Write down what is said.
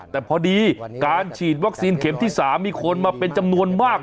แต่พอดีการฉีดวัคซีนเข็มที่๓มีคนมาเป็นจำนวนมาก